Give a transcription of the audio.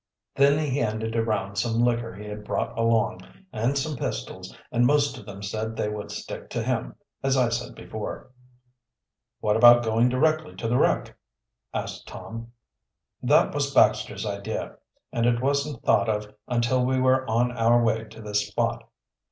Then he handed around some liquor he had brought along, and some pistols, and most of them said they would stick to him, as I said before." "What about going directly to the wreck?" asked Tom. "That was Baxter's idea, and it wasn't thought of until we were on our way to this spot.